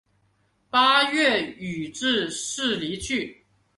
八月予致仕离去。